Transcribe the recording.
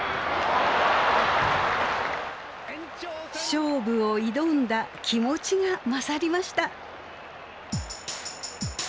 勝負を挑んだ気持ちが勝りました。